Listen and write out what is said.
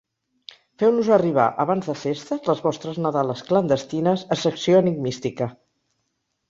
Feu-nos arribar abans de festes les vostres nadales clandestines a Secció Enigmística.